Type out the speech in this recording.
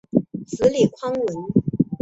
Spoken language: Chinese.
子李匡文。